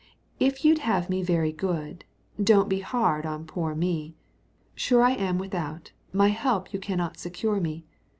If you'd have me very good, Don't be hard on poor me; Sure I am without, my help You can not secure me.